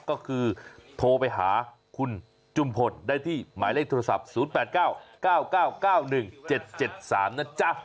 ก็คือโทรไปหาคุณจุมพลได้ที่หมายเลขโทรศัพท์๐๘๙๙๙๙๙๑๗๗๓นะจ๊ะ